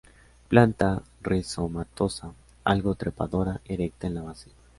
Planta rizomatosa, algo trepadora, erecta en la base.